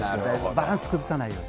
バランス崩さないように。